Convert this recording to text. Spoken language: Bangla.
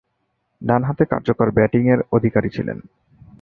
ডানহাতে কার্যকর ব্যাটিংয়ের অধিকারী ছিলেন।